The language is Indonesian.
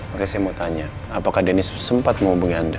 oke saya mau tanya apakah deniz sempat menghubungi anda